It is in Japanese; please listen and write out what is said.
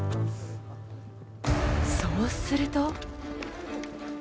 そうすると。